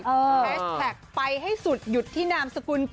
แฮชแท็กไปให้สุดหยดที่นามสกุลกอโอ๊ค